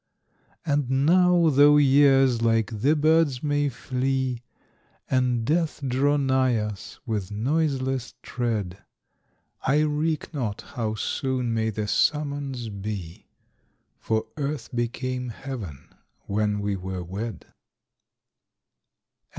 ENVOI. And now, though years like the birds may flee, And death draw nigh us with noiseless tread, I reek not how soon may the summons be, For earth became heaven when we were wed.